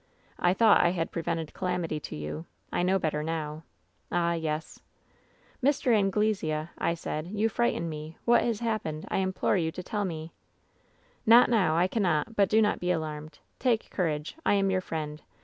I thought I had prevented calamity to you. I know better now. Ah, yesl' 180 WHEN SHADOWS DIE " *Mr. Anglesea,' I said, ^you frighten me. What has happened ? I implore you to tell me.' " 'Not now ! I cannot ! But do not be alarmed ! Take courage! I am your friend!